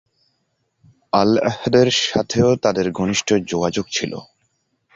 আল-আহদের সাথেও তাদের ঘনিষ্ঠ যোগাযোগ ছিল।